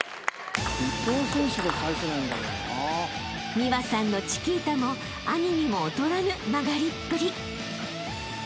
［美和さんのチキータも兄にも劣らぬ曲がりっぷり］